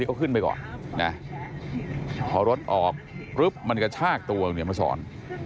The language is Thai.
เขาขึ้นไปก่อนพอรถออกมันกระชากตัวอยู่นี่มาสอน